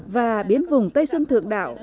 và biến vùng tây sơn thượng đạo